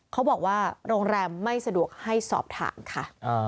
เขาบอกว่าโรงแรมไม่สะดวกให้สอบถามค่ะ